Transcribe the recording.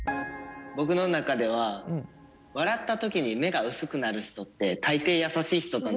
僕の中では笑った時に目が薄くなる人って大抵優しい人だなって。